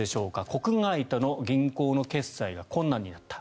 国外との銀行の決済が困難になった。